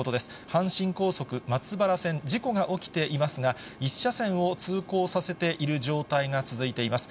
阪神高速松原線、事故が起きていますが、１車線を通行させている状態が続いています。